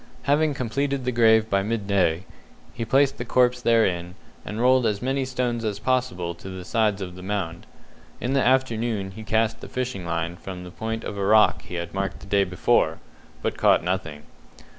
Having completed the grave by midday, he placed the corpse therein, and rolled as many stones as possible to the sides of the mound. In the afternoon he cast the fishing line from the point of a rock he had marked the day before, but caught nothing.